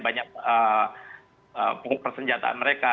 banyak persenjataan mereka